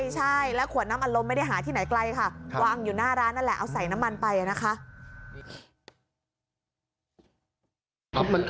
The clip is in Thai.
ใช่แล้วขวดน้ำอารมณ์ไม่ได้หาที่ไหนไกลค่ะวางอยู่หน้าร้านนั่นแหละเอาใส่น้ำมันไปนะคะ